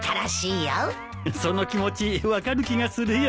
その気持ち分かる気がするよ。